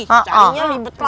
carinya libet lagi